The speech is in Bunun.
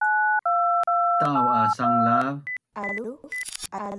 tau a sanglav